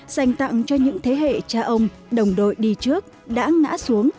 dành tặng cho những thế hệ cha ông đồng đội đi trước đã ngã xuống